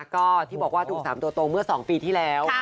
ก็ที่บอกว่าถูก๓ตัวโตเมื่อ๒ปีที่แล้ว